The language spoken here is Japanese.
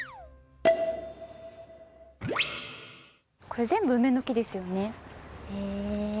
これ全部梅の木ですよね。